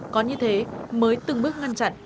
có như thế mới từng bước ngăn chặn